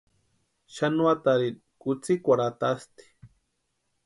Xanuatarini kutsïkwarhu atasti.